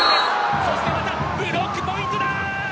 そしてまたブロックポイントだ。